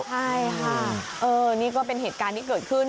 ใช่ค่ะนี่ก็เป็นเหตุการณ์ที่เกิดขึ้น